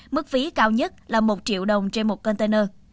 mức phí cao nhất là một triệu đồng trên một container